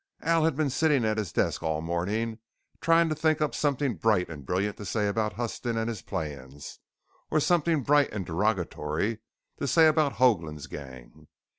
Al had been sitting at his desk all morning trying to think up something bright and brilliant to say about Huston and his plans, or something bright and derogatory to say about Hoagland's gang.